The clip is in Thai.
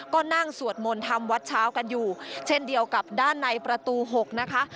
ก็นั่งสวดมนต์ทำวัดเช้ากันอยู่เช่นเดียวกับด้านในประตู๖นะคะ